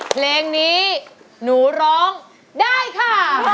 เพลงนี้หนูร้องได้ค่ะ